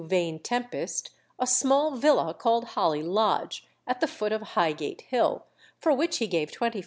Vane Tempest, a small villa called Holly Lodge, at the foot of Highgate Hill, for which he gave £25,000.